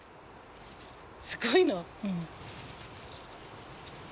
すごいの。